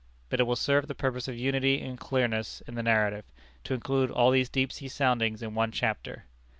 But it will serve the purpose of unity and clearness in the narrative, to include all these deep sea soundings in one chapter.